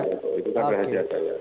itu kan rahasia